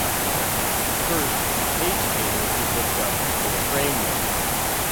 First, the page table is looked up for the frame number.